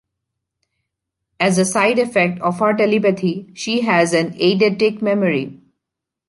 As a side effect of her telepathy, she has an eidetic memory.